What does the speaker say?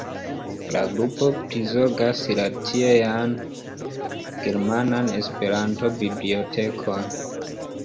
La grupo prizorgas la tiean Germanan Esperanto-Bibliotekon.